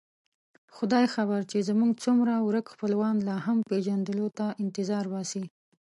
خدای خبر چې زموږ څومره ورک خپلوان لا هم پېژندلو ته انتظار باسي.